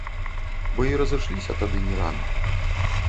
Бо й разышліся тады не рана.